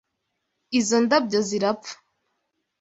Izo ndabyo zirapfa.